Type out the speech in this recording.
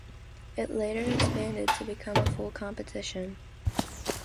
It later expanded to become a full competition.